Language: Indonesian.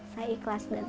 saya ikhlas dan setuju